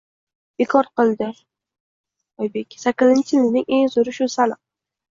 Bekor qilding, Oybek. Sakkizinchi sinfning eng zoʻri shu – Salim.